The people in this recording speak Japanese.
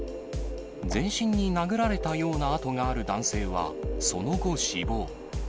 全身に殴られたような痕がある男性は、その後、死亡。